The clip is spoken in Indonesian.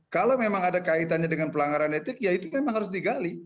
kalau memang ada kaitannya dengan pelanggaran etik ya itu memang harus digali